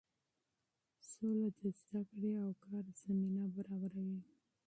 سوله د زده کړې او کار زمینه برابروي.